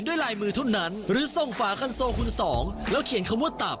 เย่สุดยอดนี่มันก็กติกาง่าย